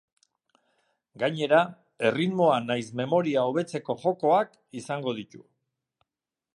Gainera, erritmoa nahiz memoria hobetzeko jokoak izango ditu.